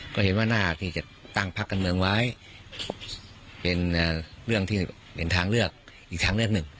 ก็เห็นว่าหน้าที่จะตั้งพักการเมืองไว้เป็นเรื่องที่เป็นทางเลือกอีกทางเลือกหนึ่ง